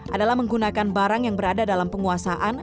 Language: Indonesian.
adalah menggunakan barang yang berada dalam penguasaan